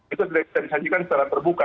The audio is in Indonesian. itu sudah bisa disajikan secara terbuka